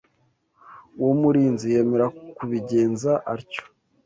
Uwo murinzi yemera kubigenza atyo